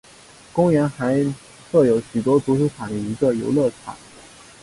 公园还设有许多足球场与一个游乐场。